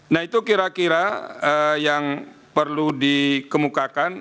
nah itu kira kira yang perlu dikemukakan